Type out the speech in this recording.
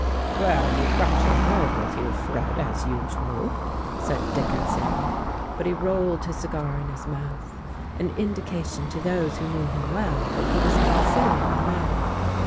"Well, you've got your nerve with you, Fred, as usual," said Dickinson. But he rolled his cigar in his mouth, an indication, to those who knew him well, that he was considering the matter.